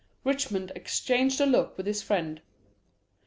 Richmond exchanged a look with his friend.